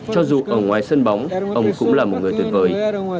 cho dù ở ngoài sân bóng ông cũng là một người tuyệt vời